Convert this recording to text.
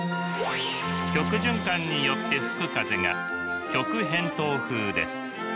極循環によって吹く風が極偏東風です。